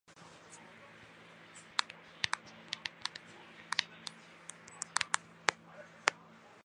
欧夜鹰是夏候鸟。